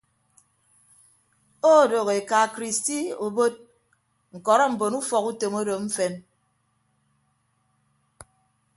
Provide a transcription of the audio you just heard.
Odooho eka kristi obot ñkọrọ mbon ufọkutom odo mfen.